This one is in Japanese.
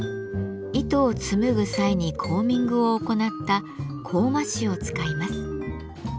糸を紡ぐ際にコーミングを行った「コーマ糸」を使います。